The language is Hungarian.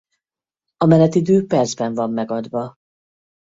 A menetidő percben van megadva